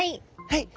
はい。